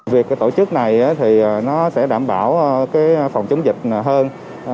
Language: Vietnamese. việc tổ chức này thì nó sẽ đảm bảo phòng chống dịch hơn